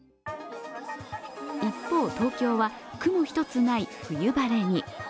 一方、東京は雲一つない冬晴れに。